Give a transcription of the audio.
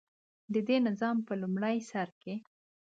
دده د نظام په لومړي سر کې.